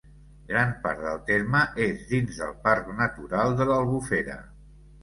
Gran part del terme és dins del Parc Natural de l'Albufera.